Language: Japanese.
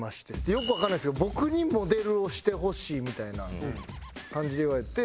よくわかんないですけど僕にモデルをしてほしいみたいな感じで言われて。